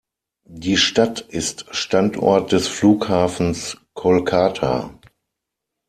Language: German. Die Stadt ist Standort des Flughafens Kolkata.